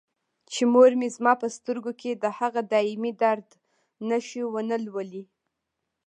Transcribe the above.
چې مور مې زما په سترګو کې د هغه دایمي درد نښې ونه لولي.